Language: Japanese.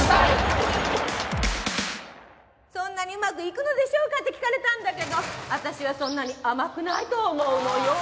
そんなにうまくいくのでしょうかって聞かれたんだけど私はそんなに甘くないと思うのよ。